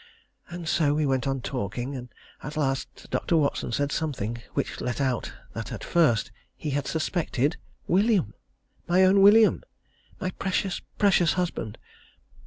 And so we went on talking; and, at last, Dr. Watson said something which let out that at first he had suspected William! my own William! my precious, precious husband!